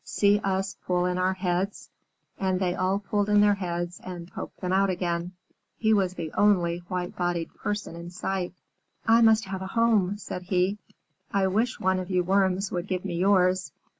"See us pull in our heads." And they all pulled in their heads and poked them out again. He was the only white bodied person in sight. "I must have a home," said he. "I wish one of you Worms would give me yours.